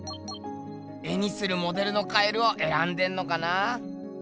絵にするモデルの蛙をえらんでんのかな。